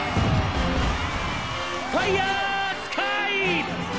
ファイヤーースカイ！！